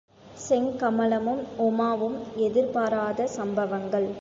செங்கமலமும் உமாவும் எதிர்பாராத சம்பவங்கள்.